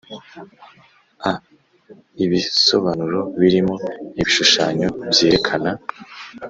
A ibisobanuro birimo ibishushanyo byerekana